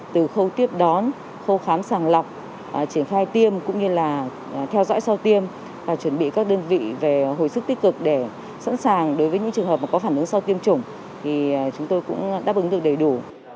từ khâu tiếp đón khâu khám sàng lọc triển khai tiêm cũng như là theo dõi sau tiêm và chuẩn bị các đơn vị về hồi sức tích cực để sẵn sàng đối với những trường hợp có phản ứng sau tiêm chủng thì chúng tôi cũng đáp ứng được đầy đủ